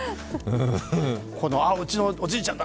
うちのおじいちゃんだ！